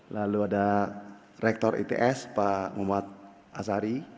lalu ada rektor its pak muhammad asari